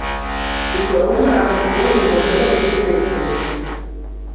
Усе роўна рана ці позна яго трэба будзе знайсці.